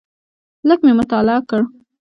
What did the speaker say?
لږ مې مطالعه کړ.